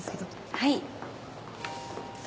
はい。